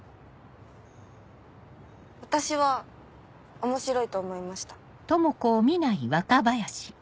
私は面白いと思いました。